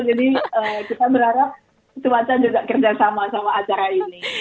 jadi kita berharap cuaca juga kerjasama sama acara ini